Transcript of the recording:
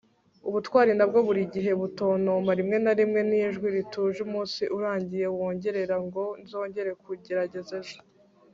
ubutwari ntabwo buri gihe butontoma, rimwe na rimwe ni ijwi rituje umunsi urangiye wongorera ngo nzongera kugerageza ejo